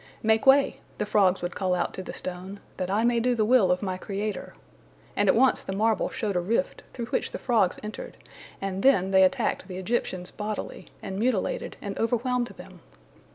"Make way," the frogs would call out to the stone, "that I may do the will of my Creator," and at once the marble showed a rift, through which the frogs entered, and then they attacked the Egyptians bodily, and mutilated and overwhelmed them.